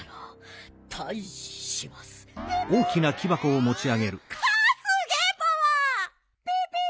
すげえパワー！